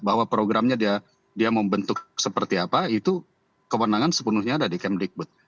bahwa programnya dia membentuk seperti apa itu kewenangan sepenuhnya ada di kemdikbud